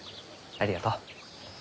ありがとう。